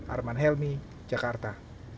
arman helmi jakarta